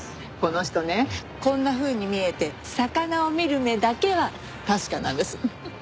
この人ねこんなふうに見えて魚を見る目だけは確かなんです。